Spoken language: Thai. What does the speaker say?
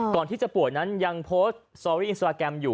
ก่อนที่จะป่วยนั้นยังโพสต์สตอรี่อินสตราแกรมอยู่